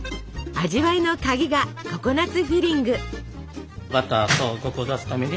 味わいの鍵がココナツフィリング。